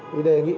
thì đề nghị